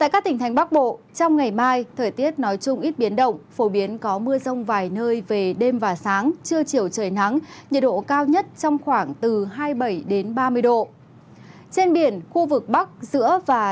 khu vực hà nội nhiều mây đêm có mưa vài nơi trưa chiều giảm mây hưởng nắng gió đông bắc cấp hai cấp ba